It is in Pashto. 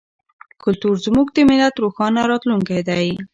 کلتور زموږ د ملت روښانه راتلونکی دی.